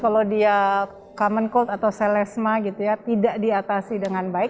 kalau kamenkul atau selesma tidak diatasi dengan baik